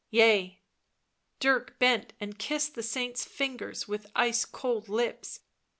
" Yea." Dirk bent and kissed the saint's fingers with ice cold lips.